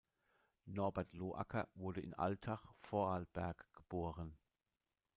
Norbert Loacker wurde in Altach, Vorarlberg geboren.